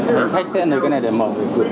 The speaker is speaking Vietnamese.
thì khách sẽ nửa cái này để mở